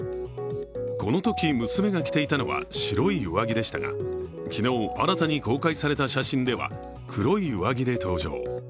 このとき娘が着ていたのは白い上着でしたが昨日、新たに公開された写真では黒い上着で登場。